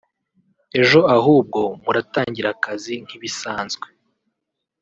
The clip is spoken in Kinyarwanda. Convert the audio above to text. “ejo ahubwo muratangira akazi nk’ ibisanzwe